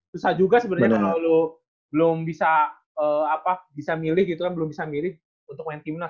susah juga sebenarnya kalau belum bisa milih gitu kan belum bisa milih untuk main timnas